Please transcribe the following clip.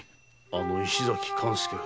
あの石崎勘助が。